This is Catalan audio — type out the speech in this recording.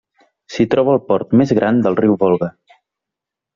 S'hi troba el port més gran del riu Volga.